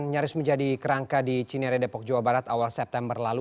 nyaris menjadi kerangka di cinere depok jawa barat awal september lalu